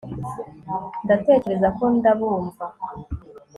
ndatekereza ko ndabumva